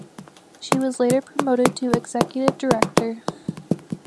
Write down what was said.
She was later promoted to Executive Director.